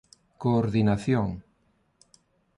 Coordinación.